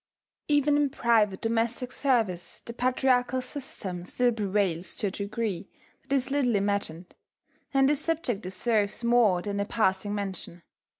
Even in private domestic service the patriarchal system still prevails to a degree that is little imagined; and this subject deserves more than a passing mention.